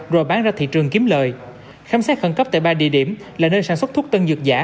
rồi bán ra thị trường kiếm lời khám xét khẩn cấp tại ba địa điểm là nơi sản xuất thuốc tân dược giả